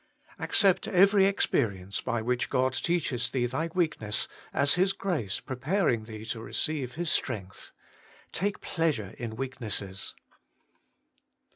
Accept every experience by which God teaches thee thy weakness as His grace preparing thee to receive His strength. Take pleasure in weaknesses!